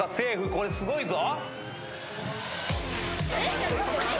これすごいぞ。